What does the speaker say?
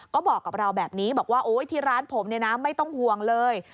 ก็บอกกับเราแบบนี้บอกว่าโอ๊ยที่ร้านผมเนี่ยนะไม่ต้องห่วงเลย